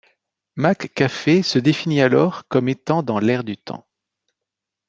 McCafé se définit alors comme étant dans l'air du temps.